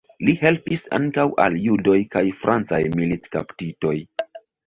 Li helpis ankaŭ al judoj kaj francaj militkaptitoj.